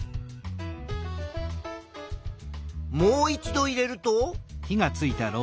もう一度入れると。